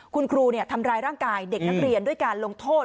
คุณครูทำร้ายร่างกายเด็กนักเรียนด้วยการลงโทษ